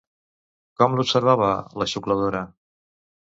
Com l'observava la Xucladora?